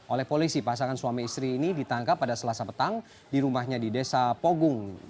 oleh polisi pasangan suami istri ini ditangkap pada selasa petang di rumahnya di desa pogung